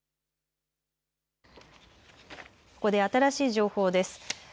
ここで新しい情報です。